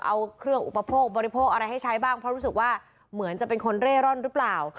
เอาเครื่องอุปโภคบริโภคอะไรให้ใช้บ้างเพราะรู้สึกว่าเหมือนจะเป็นคนเร่ร่อนหรือเปล่า